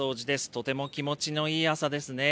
とても気持ちのいい朝ですね。